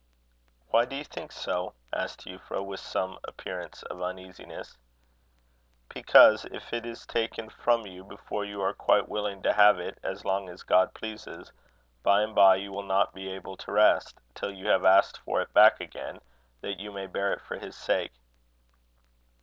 "Why do you think so?" asked Euphra, with some appearance of uneasiness. "Because, if it is taken from you before you are quite willing to have it as long as God pleases, by and by you will not be able to rest, till you have asked for it back again, that you may bear it for his sake."